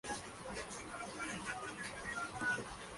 Actualmente es saxofonista, actor de cine y televisión.